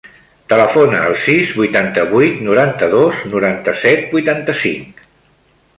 Telefona al sis, vuitanta-vuit, noranta-dos, noranta-set, vuitanta-cinc.